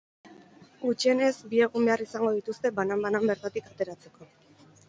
Gutxienez, bi egun behar izango dituzte banan-banan bertatik ateratzeko.